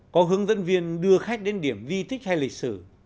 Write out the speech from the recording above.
có hướng dẫn viên đưa khách đến điểm di tích hay lịch sử